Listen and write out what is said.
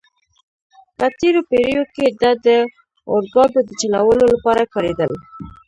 په تېرو پېړیو کې دا د اورګاډو د چلولو لپاره کارېدل.